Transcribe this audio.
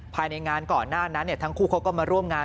ภายในงานก่อนหน้านั้นทั้งคู่เขาก็มาร่วมงาน